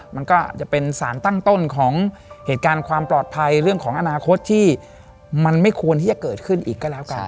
มันก็อาจจะเป็นสารตั้งต้นของเหตุการณ์ความปลอดภัยเรื่องของอนาคตที่มันไม่ควรที่จะเกิดขึ้นอีกก็แล้วกัน